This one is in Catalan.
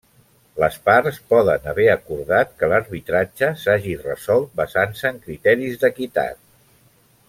Les parts poden haver acordat que l'arbitratge s'hagi resolt basant-se en criteris d'equitat.